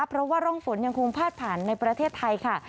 เพราะว่าร่องฝนยังคงพาดผ่านในประเทศไทยค่ะ